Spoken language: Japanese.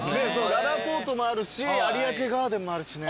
ららぽーともあるし有明ガーデンもあるしね。